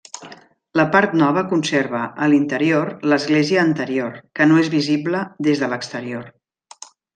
La part nova conserva, a l'interior, l'església anterior, que no és visible des de l'exterior.